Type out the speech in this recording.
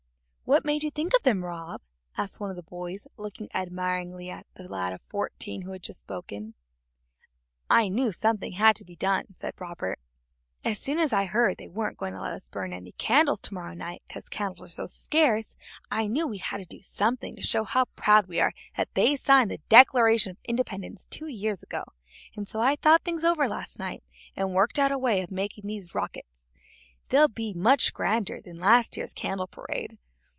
"What made you think of them, Rob?" asked one of the boys, looking admiringly at the lad of fourteen who had just spoken. "I knew something had to be done," said Robert, "as soon as I heard they weren't going to let us burn any candles to morrow night 'cause candles are so scarce. I knew we had to do something to show how proud we are that they signed the Declaration of Independence two years ago, and so I thought things over last night and worked out a way of making these rockets. They'll be much grander than last year's candle parade.